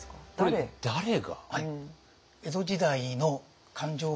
これ誰が？